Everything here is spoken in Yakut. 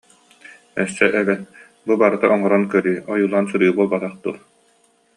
Өссө эбэн: «Бу барыта оҥорон көрүү, ойуулаан суруйуу буолбатах дуо